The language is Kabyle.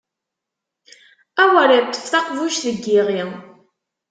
Awer iṭṭef taqbuc n yiɣi!